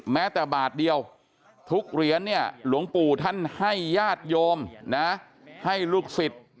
แม้แต่บาทเดียวทุกเหรียญเนี่ยหลวงปู่ท่านให้ญาติโยมนะให้ลูกศิษย์